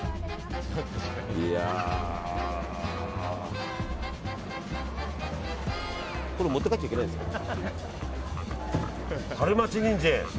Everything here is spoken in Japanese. いやこれ持って帰っちゃいけないんですか？